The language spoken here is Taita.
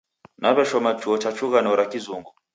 Naw'eshoma chuo cha chughano ra Kizungu.